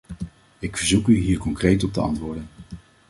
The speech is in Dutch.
Ik verzoek u hier concreet op te antwoorden.